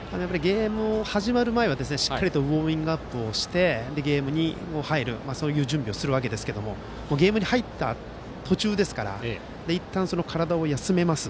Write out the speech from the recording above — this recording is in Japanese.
やっぱりゲーム始まる前はしっかりとウォーミングアップをしてゲームに入るそういう準備をするわけですがゲームに入った途中ですからいったん体を休めます。